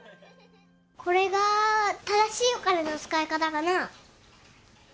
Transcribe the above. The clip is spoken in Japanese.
これが正しいお金の使い方かな？